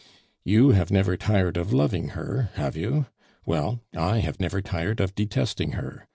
"You have never tired of loving her, have you? Well, I have never tired of detesting her.